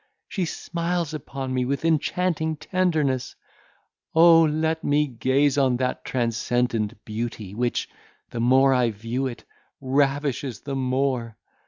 She smiles upon me with enchanting tenderness! O let me gaze on that transcendent beauty, which, the more I view it, ravishes the more!